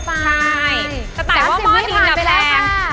ตายว่าเป้าหม้อนนีก็แฝง